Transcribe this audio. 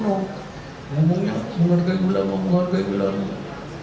ngomongnya menghargai ulama menghargai ulama